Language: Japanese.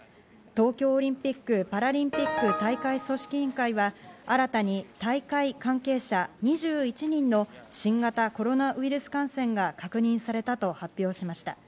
東京オリンピック・パラリンピック大会組織委員会は新たに大会関係者２１人の新型コロナウイルス感染が確認されたと発表しました。